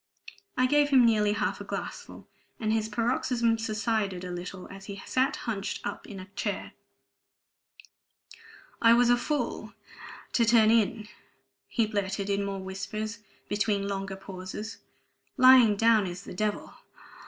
I gave him nearly half a glassful, and his paroxysm subsided a little as he sat hunched up in a chair. "I was a fool ... to turn in," he blurted in more whispers between longer pauses. "Lying down is the devil ...